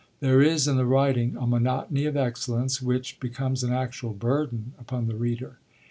There is, in the writing, a monotony of excellence, which becomes an actual burden upon the reader.